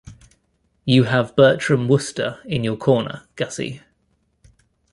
You have Bertram Wooster in your corner, Gussie.